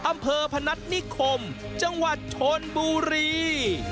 อำเภอพนัฐนิคมจังหวัดชนบุรี